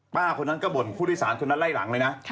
คนนั้นก็บ่นผู้โดยสารคนนั้นไล่หลังเลยนะ